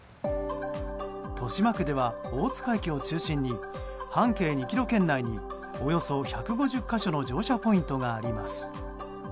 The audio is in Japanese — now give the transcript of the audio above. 豊島区では、大塚駅を中心に半径２ｋｍ圏内におよそ１５０か所の乗車ポイントがあります。